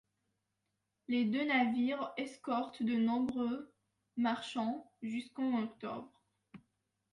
Les deux navires escortent de nombreux marchands, jusqu'en octobre.